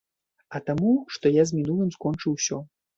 А таму, што я з мінулым скончыў усё.